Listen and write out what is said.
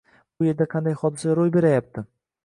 Bu yerda qanday hodisa ro’y berayapti?